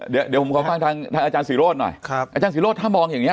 เดี๋ยวผมขอบฟังทางอาจารย์ศรีโรธหน่อยอาจารย์ศรีโรธถ้ามองอย่างนี้